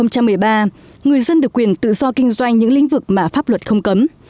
năm hai nghìn một mươi ba người dân được quyền tự do kinh doanh những lĩnh vực mà pháp luật không cấm